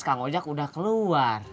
kang ojek udah keluar